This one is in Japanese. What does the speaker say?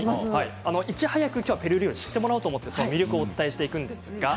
いち早くペルー料理を知ってもらおうと思ってその魅力をお伝えしていきます。